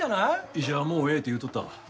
医者はもうええって言っとったわ。